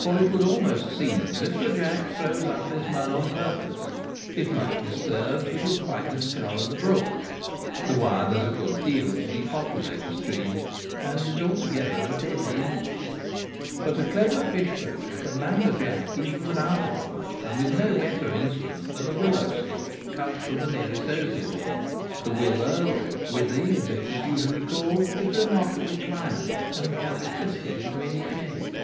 For it would almost seem as if the jack throws up this mud on purpose ; if much disturbed he will quite discolour the brook. The wire does a good deal to depopulate the stream, and is altogether a deadly implement But a clever fish poacher can land a jack even without a wire, and with no better instrument than a willow stick cut from the nearest osier bed. The willow, or withy as it is usually called, is remarkably pliant, and can be twisted into any shape.